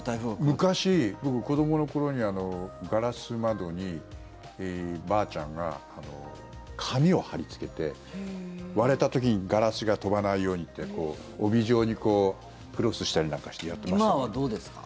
昔、僕、子どもの頃にガラス窓にばあちゃんが紙を貼りつけて割れた時にガラスが飛ばないようにって帯状にクロスしたりなんかしてやってましたね。